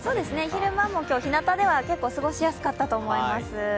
昼間も今日、日なたでは結構過ごしやすかったと思います。